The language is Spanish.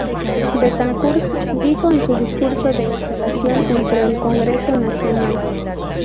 Betancourt dijo en su discurso de instalación ante el Congreso Nacional.